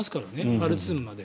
ハルツームまで。